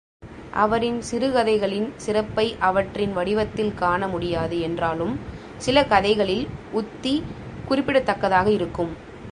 அவரின் சிறுகதைகளின் சிறப்பை அவற்றின் வடிவத்தில் காண முடியாது என்றாலும் சில கதைகளில் உத்தி குறிப்பிடத்தக்கதாக இருக்கும்.